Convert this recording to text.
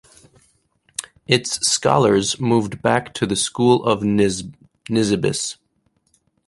Its scholars moved back to the School of Nisibis.